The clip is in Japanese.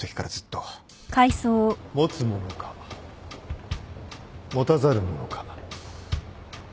持つ者か持たざる者か